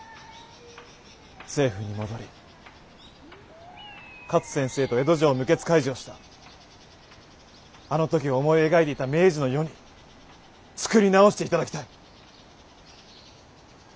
政府に戻り勝先生と江戸城を無血開城したあの時思い描いていた明治の世につくり直していただきたい。